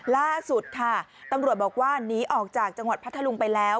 ล่าสุดค่ะตำรวจบอกว่าหนีออกจากจังหวัดพัทธลุงไปแล้ว